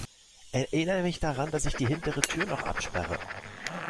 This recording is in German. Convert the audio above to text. Erinner mich daran, dass ich die hintere Tür noch absperre.